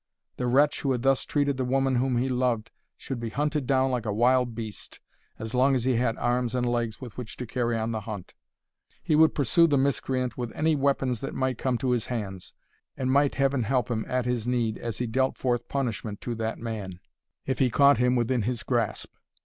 The wretch who had thus treated the woman whom he loved should be hunted down like a wild beast, as long as he had arms and legs with which to carry on the hunt. He would pursue the miscreant with any weapons that might come to his hands; and might Heaven help him at his need as he dealt forth punishment to that man, if he caught him within his grasp.